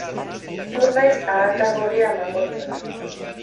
Ziur naiz ahakar gorria emango diola.